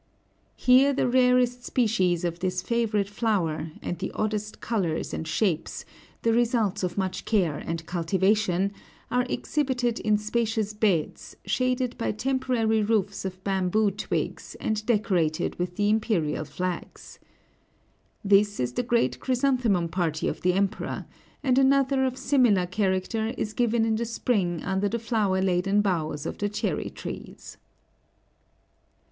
Here the rarest species of this favorite flower, and the oddest colors and shapes, the results of much care and cultivation, are exhibited in spacious beds, shaded by temporary roofs of bamboo twigs and decorated with the imperial flags. This is the great chrysanthemum party of the Emperor, and another of similar character is given in the spring under the flower laden boughs of the cherry trees.